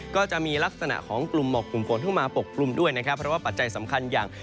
ก็จะมีลักษณะของกลุ่มหมอกกลุ่มฝนเข้ามาปกกลุ่มด้วยนะครับเพราะว่าปัจจัยสำคัญอย่าง